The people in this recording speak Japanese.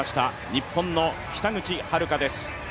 日本の北口榛花です。